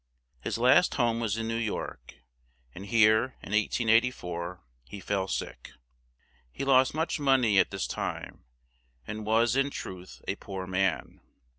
His last home was in New York; and here, in 1884, he fell sick; he lost much mon ey at this time, and was, in truth, a poor man.